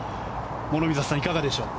諸見里さん、いかがでしょう？